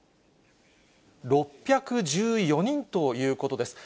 ６１４人ということです。